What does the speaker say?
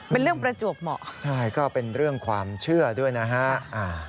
เป็นเรื่องประจวบเหมาะใช่ก็เป็นเรื่องความเชื่อด้วยนะฮะ